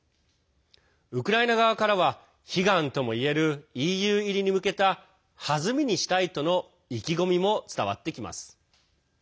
ウクライナ側からは悲願ともいえるＥＵ入りに向けた弾みにしたいとの意気込みも伝わってきます。